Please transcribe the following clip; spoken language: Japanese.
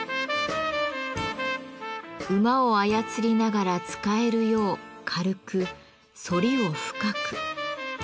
馬を操りながら使えるよう軽く反りを深く。